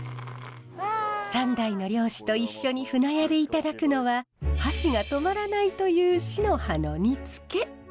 ３代の漁師と一緒に舟屋でいただくのは箸が止まらないというシノハの煮つけ。